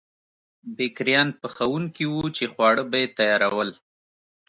بېکریان پخوونکي وو چې خواړه به یې تیارول.